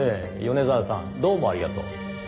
米沢さんどうもありがとう。